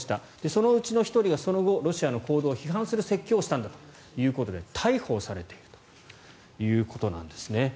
そのうちの１人がその後、ロシアの行動を批判する説教をしたんだということで逮捕されているということなんですね。